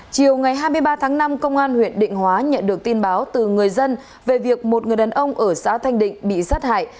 chiều ngày hai mươi ba tháng năm công an huyện định hóa nhận được tin báo từ người dân về việc một người đàn ông ở xã thanh định bị sát hại